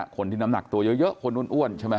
คนที่น้ำหนักตัวเยอะคนอ้วน